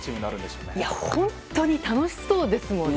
本当に楽しそうですもんね。